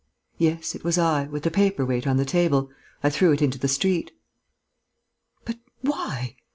"Yes, it was I, with the paper weight on the table: I threw it into the street." "But why?